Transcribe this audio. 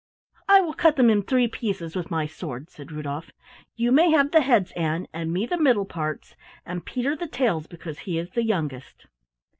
"I will cut them in three pieces with my sword," said Rudolf. "You may have the heads, Ann, and me the middle parts, and Peter the tails because he is the youngest."